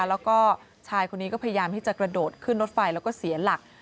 แล้วก็ชายคนนี้ก็พยายามที่จะกระโดดขึ้นรถไฟแล้วก็เสียหลัก